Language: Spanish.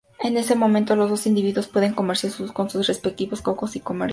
En ese momento los dos individuos pueden comerciar con sus respectivos cocos y comerlos.